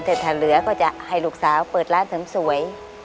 แต่ถ้าเหลือก็จะให้ลูกสาวเปิดร้านเสริมสวย